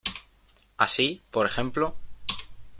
Así, por ej.